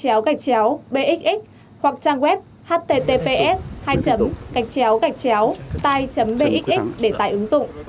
hoặc trang web https tai bxx để tài ứng dụng